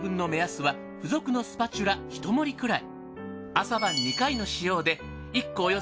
朝晩２回の使用で。